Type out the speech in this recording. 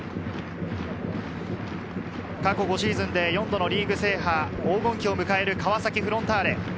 過去５シーズンで４度のリーグ制覇、黄金期を迎える川崎フロンターレ。